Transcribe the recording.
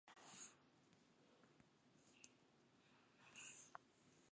Landaretza altueraren arabera banatu daiteke.